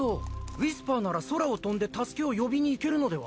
ウィスパーなら空を飛んで助けを呼びにいけるのでは？